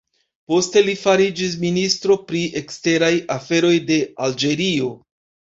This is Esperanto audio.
Poste li fariĝis ministro pri eksteraj aferoj de Alĝerio.